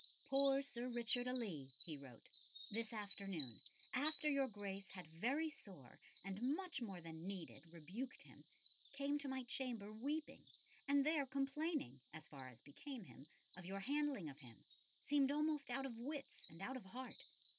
"Poor Sir Richard a Lee," he wrote, "this afternoon, after your Grace had very sore, and much more than needed, rebuked him, came to my chamber weeping, and there complaining, as far as became him, of your handling of him, seemed almost out of wits and out of heart.